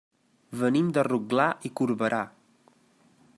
Venim de Rotglà i Corberà.